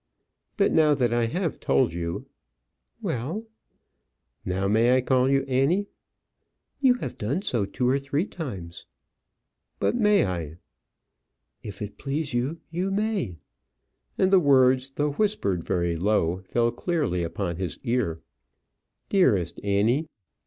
"But now that I have told you " "Well " "Now may I call you Annie?" "You have done so two or three times." "But may I?" "If it please you, you may." And the words, though whispered very low, fell clearly upon his ear. "Dearest Annie!"